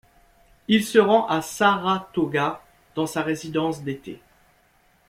Il se rend à Saratoga dans sa résidence d'été.